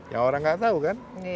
yang orang tidak tahu kan